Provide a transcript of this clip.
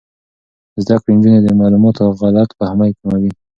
زده کړې نجونې د معلوماتو غلط فهمۍ کموي.